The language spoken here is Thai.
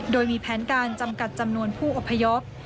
โดยมีแผนการจำกัดจำนวนผู้อพยพ